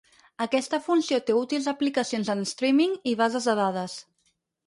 Aquesta funció té útils aplicacions en streaming i bases de dades.